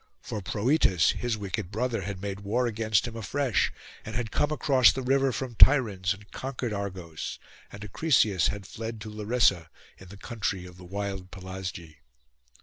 For Proetus his wicked brother had made war against him afresh; and had come across the river from Tiryns, and conquered Argos, and Acrisius had fled to Larissa, in the country of the wild Pelasgi.